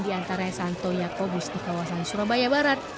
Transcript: di antara santo yaakobus di kawasan surabaya barat